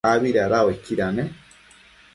abi dada uaiquida ne?